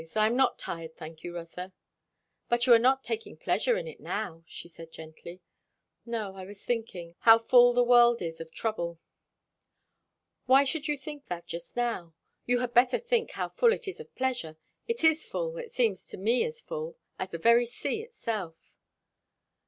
I am not tired, thank you, Rotha." "But you are not taking pleasure in it now," she said gently. "No. I was thinking, how full the world is of trouble." "Why should you think that just now? You had better think, how full it is of pleasure. It's as full it seems to me as full as the very sea itself."